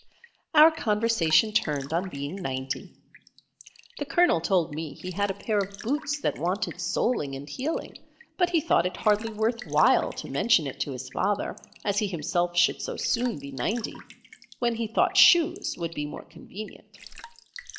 Our conversation turned on being ninety. The Colonel told me he had a pair of boots that wanted soleing and heeling but he thought it hardly worth while to mention it to his father, as he himself should so soon be ninety, when he thought shoes would be more convenient.